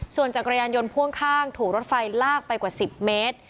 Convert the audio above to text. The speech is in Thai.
ส่วนจักรยานยนต์พ่วงข้างถูกรถไฟลากไปกว่า๑๐เมตร